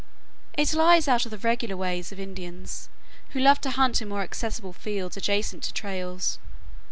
It lies out of the regular ways of Indians, who love to hunt in more accessible fields adjacent to trails.